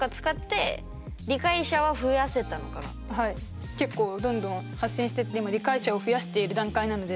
でも、アオバさん結構どんどん発信してって今、理解者を増やしている段階なので。